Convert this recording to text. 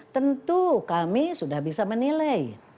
tentu kami sudah bisa menilai